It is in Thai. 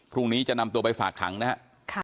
พรุ่งนี้จะนำตัวไปฝากขังนะครับ